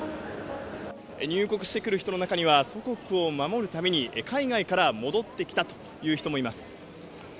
入国してくる人の中には、祖国を守るために、海外から戻ってきたという人もいます。